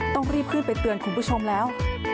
ต้องรีบขึ้นไปเตือนคุณผู้ชมแล้ว